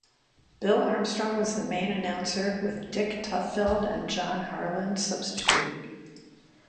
Bill Armstrong was the main announcer, with Dick Tufeld and John Harlan substituting.